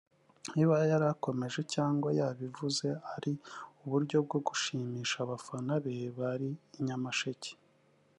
niba yari akomeje cyangwa yabivuze ari uburyo bwo gushimisha abafana be bari I Nyamasheke